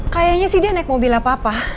kayaknya sih dia naik mobilnya papa